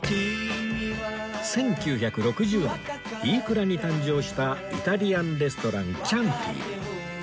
１９６０年飯倉に誕生したイタリアンレストランキャンティ